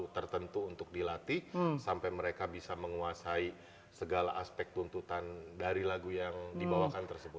tertentu untuk dilatih sampai mereka bisa menguasai segala aspek tuntutan dari lagu yang dibawakan tersebut